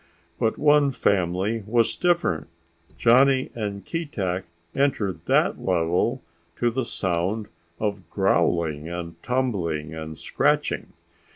But one family was different. Johnny and Keetack entered that level to the sound of growling and tumbling and scratching.